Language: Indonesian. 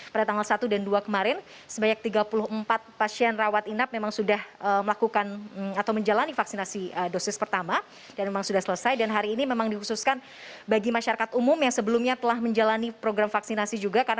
pada tanggal satu dan dua kemarin sebanyak tiga puluh empat pasien rawat inap memang sudah melaksanakan